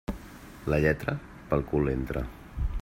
La lletra pel cul entra.